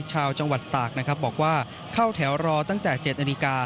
ชาวจังหวัดตากนะครับบอกว่าเข้าแถวรอตั้งแต่๗นาฬิกา